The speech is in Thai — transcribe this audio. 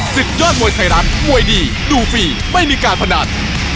สิทธิ์ยอดมวยไทยรัตน์มวยดีดูฟรีไม่มีการพนัน